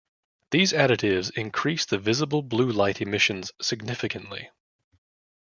These additives increase the visible blue light emissions significantly.